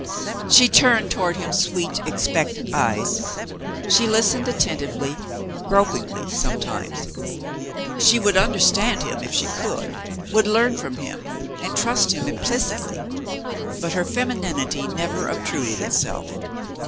She turned toward him sweet, expectant eyes. She lis tened attentively, gropingly sometimes. She would under stand him if she could, — would learn from him and trust him implicitly, — but her femininity never obtruded itself.